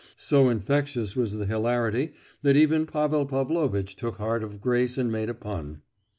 So infectious was the hilarity that even Pavel Pavlovitch took heart of grace and made a pun.